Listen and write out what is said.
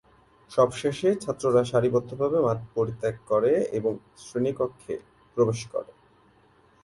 সবশেষে ছাত্ররা সারিবদ্ধভাবে মাঠ পরিত্যাগ করে এবং শ্রেণীকক্ষে প্রবেশ করে।